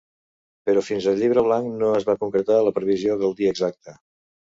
Però fins al llibre blanc no es va concretar la previsió del dia exacte.